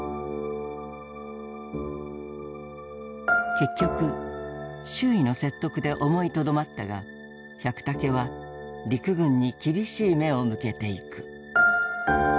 結局周囲の説得で思いとどまったが百武は陸軍に厳しい目を向けていく。